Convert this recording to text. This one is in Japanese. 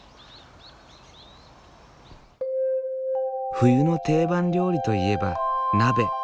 冬の定番料理といえば鍋。